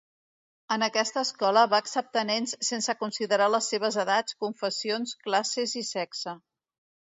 En aquesta escola, va acceptar nens sense considerar les seves edats, confessions, classes i sexe.